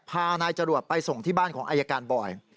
พานายจรวดไปส่งที่บ้านของอายการบอย